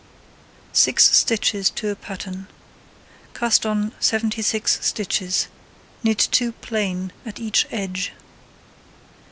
Six stitches to a pattern. Cast on 76 stitches, knit 2 plain at each edge.